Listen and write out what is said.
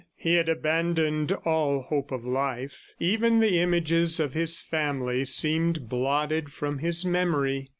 He had abandoned all hope of life; even the images of his family seemed blotted from his memory.